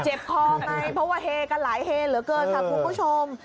คอไงเพราะว่าเฮกันหลายเฮเหลือเกินค่ะคุณผู้ชม